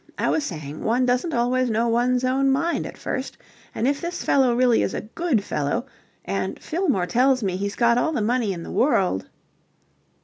I was saying one doesn't always know one's own mind at first, and if this fellow really is a good fellow... and Fillmore tells me he's got all the money in the world..."